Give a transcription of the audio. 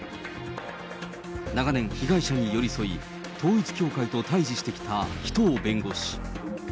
長年、被害者に寄り添い、統一教会と対じしてきた紀藤弁護士。